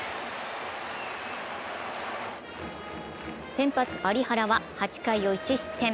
先発・有原は８回を１失点。